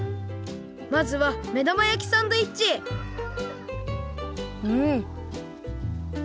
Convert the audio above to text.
まずは目玉やきサンドイッチうん！